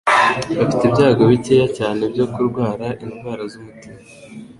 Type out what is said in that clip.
bafite ibyago bikeya cyane byo kurwara indwara z'umutima.